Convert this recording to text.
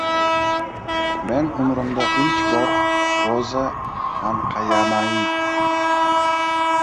Men umrimda ilk bor g‘o‘za anqayamai.